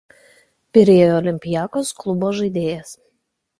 Pirėjo „Olympiacos“ klubo žaidėjas.